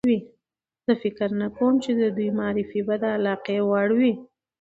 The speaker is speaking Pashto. زه فکر نه کوم چې د دوی معرفي به د علاقې وړ وي.